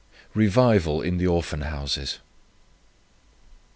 REVIVAL IN THE ORPHAN HOUSES.